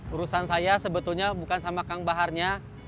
urusan saya sebetulnya bukan sama kang baharnya